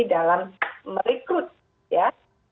dalam merekrut ya